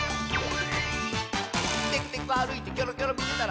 「テクテクあるいてキョロキョロみてたら」